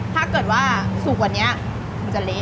ถ้าเกิดว่าสุกกว่านี้มันจะเละ